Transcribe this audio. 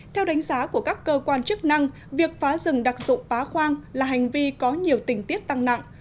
theo đánh giá của các cơ quan chức năng việc phá rừng đặc dụng pá khoang là hành vi có nhiều tình tiết tăng nặng